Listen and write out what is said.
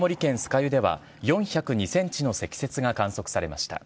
湯では４０２センチの積雪が観測されました。